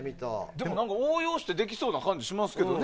でも応用してできそうな感じしそうですけどね。